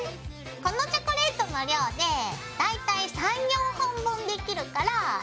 このチョコレートの量で大体３４本分できるからいっぱい作っちゃおう！